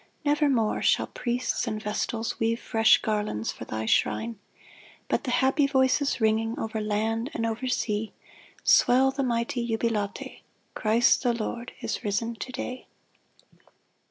Never more shall priests and vestals Weave fresh garlands for thy shrine ; But the happy voices ringing Over land and over sea, Swell the mighty jubilate —" Christ the Lord is risen to day